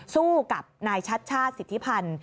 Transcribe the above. สู้กับนายชัดชาติสิทธิพันธ์